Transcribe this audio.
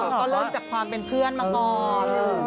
ก็เริ่มจากความเป็นเพื่อนมาก่อน